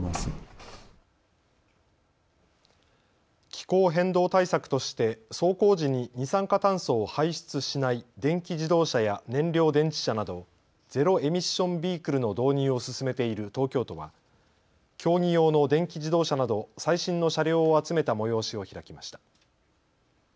気候変動対策として走行時に二酸化炭素を排出しない電気自動車や燃料電池車などゼロ・エミッション・ビークルの導入を進めている東京都は、競技用の電気自動車など最新の車両を集めた催しを開きました。